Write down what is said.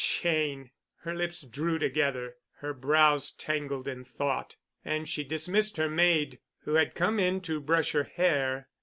Cheyne! Her lips drew together, her brows tangled in thought, and she dismissed her maid, who had come in to brush her hair.